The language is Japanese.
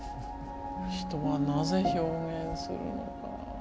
「人はなぜ表現するのか？」。